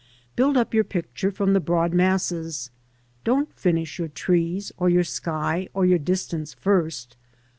Build up your picture from the broad masses; don't finish your trees, or your sky, or your distance first.